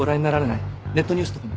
ネットニュースとかも。